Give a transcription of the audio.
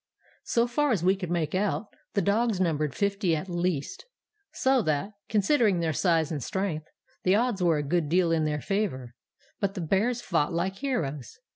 "So far as we could make out the dogs numbered fifty at least, so that, considering their size and strength, the odds were a good deal in their favour; but the bears fought like heroes.